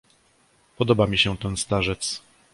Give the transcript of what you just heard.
"podoba mi się ten starzec!..."